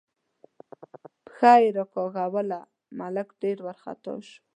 پښه یې راکاږله، ملک ډېر وارخطا شو.